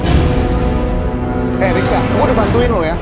eh rizka gue udah bantuin loh ya